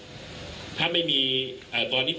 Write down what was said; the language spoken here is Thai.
คุณผู้ชมไปฟังผู้ว่ารัฐกาลจังหวัดเชียงรายแถลงตอนนี้ค่ะ